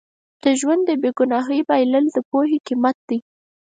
د ژوند د بې ګناهۍ بایلل د پوهې قیمت دی.